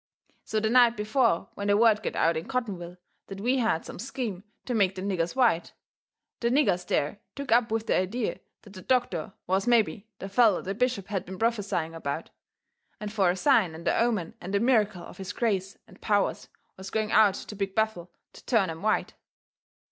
So the night before when the word got out in Cottonville that we had some scheme to make the niggers white, the niggers there took up with the idea that the doctor was mebby the feller the bishop had been prophesying about, and for a sign and a omen and a miracle of his grace and powers was going out to Big Bethel to turn 'em white.